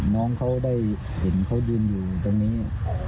น้องเขาได้เห็นเขายืนอยู่ตรงนี้